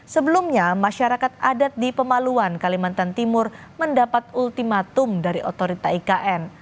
sebelumnya masyarakat adat di pemaluan kalimantan timur mendapat ultimatum dari otorita ikn